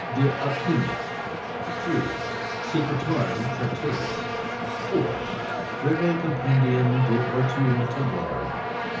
De Alchymia. 3. Secretorum Tractatus. 4. Breve Compendium de Ortu Metallorum.